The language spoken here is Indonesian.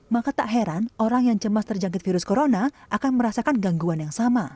maka tak heran orang yang cemas terjangkit virus corona akan merasakan gangguan yang sama